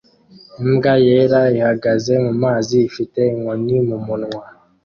Imbwa yera ihagaze mumazi ifite inkoni mumunwa